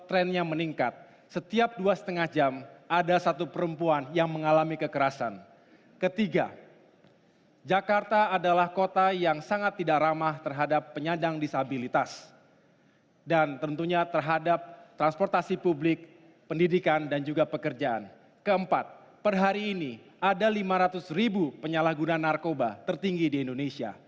rp tiga ratus penyalahgunaan narkoba tertinggi di indonesia